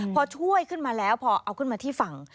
พอช่วยขึ้นมาแล้วพอเอาขึ้นมาที่ฝั่ง